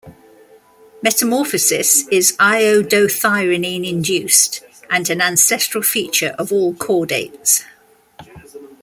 Metamorphosis is iodothyronine-induced and an ancestral feature of all chordates.